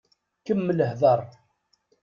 Kemmel hdeṛ.